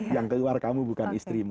yang keluar kamu bukan istrimu